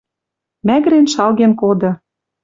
Мӓгӹрен шалген коды...